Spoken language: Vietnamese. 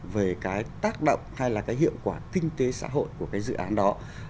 về cái tác động hay là cái hiệu quả kinh tế xã hội của cái dự án đó